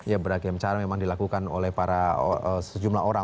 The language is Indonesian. ya beragam cara memang dilakukan oleh para sejumlah orang